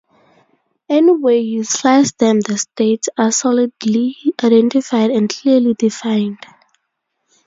Any way you slice them the states are solidly identified and clearly defined.